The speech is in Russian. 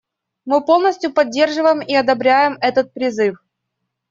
Мы полностью поддерживаем и одобряем этот призыв.